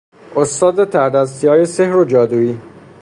استاد تردستیهای سحر و جادویی